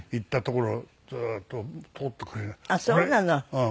うん。